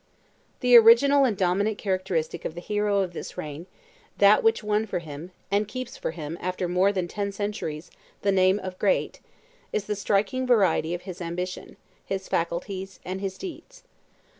The original and dominant characteristic of the hero of this reign, that which won for him, and keeps for him after more than ten centuries, the name of Great, is the striking variety of his ambition, his faculties, and his deeds.